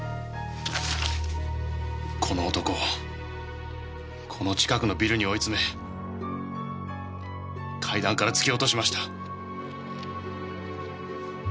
この男をこの近くのビルに追い詰め階段から突き落としました。